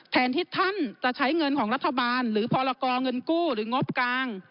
แทนที่ท่านจะใช้เงินของรัฐบาลหรือพรกรเงินกู้หรืองบกลาง